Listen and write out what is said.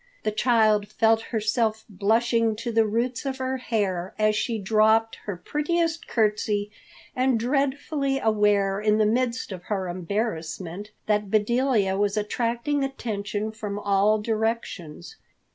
The child felt herself blushing to the roots of her hair as she dropped her prettiest curtsy, and dreadfully aware in the midst of her embarrassment that Bedelia was attracting attention from all directions.